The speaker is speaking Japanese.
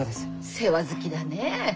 世話好きだねえ。